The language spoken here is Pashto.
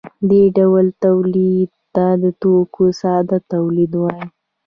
دې ډول تولید ته د توکو ساده تولید وايي.